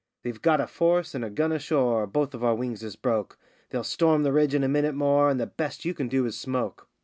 They've got a force and a gun ashore, both of our wings is broke; They'll storm the ridge in a minute more, and the best you can do is smoke.